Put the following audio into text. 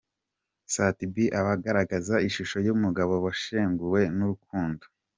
Sat B aba agaragaza ishusho y'umugabo washenguwe n'urukundo.